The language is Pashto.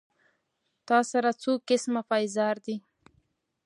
تا سره څو قسمه پېزار دي